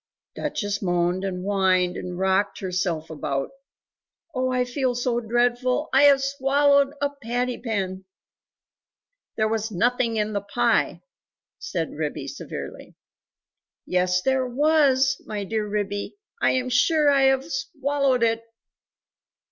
Duchess moaned and whined and rocked herself about. "Oh I feel so dreadful. I have swallowed a patty pan!" "There was NOTHING in the pie," said Ribby severely. "Yes there WAS, my dear Ribby, I am sure I have swallowed it!"